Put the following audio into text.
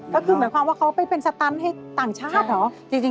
ก็คือหมายความว่าเขาไปเป็นสตันให้ต่างชาติเหรอ